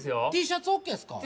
ＴシャツＯＫすか？